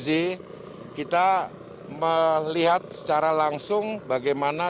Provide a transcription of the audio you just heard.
jadi kita melihat secara langsung bagaimana